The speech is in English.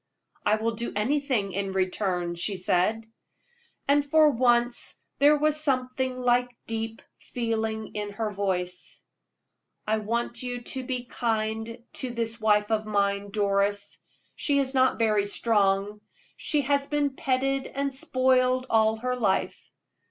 "I will do anything in return," she said. And for once there was something like deep feeling in her voice. "I want you to be kind to this wife of mine, Doris. She is not very strong: she has been petted and spoiled all her life.